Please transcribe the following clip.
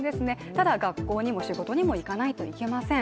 ただ学校にも仕事にも行かないといけません。